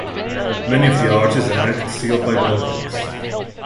Many of the arches are now concealed by buildings.